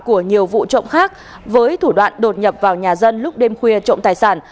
của nhiều vụ trộm khác với thủ đoạn đột nhập vào nhà dân lúc đêm khuya trộm tài sản